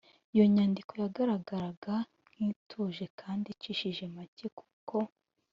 Iyo nyandiko yagaragaraga nk ituje kandi icishije make kuko